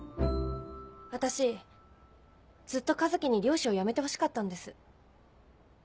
私ずっと一希に漁師を辞めてほしかったんです。